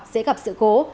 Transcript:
sẽ gặp sự cố